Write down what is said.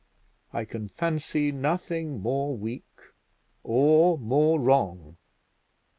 I can fancy nothing more weak, or more wrong.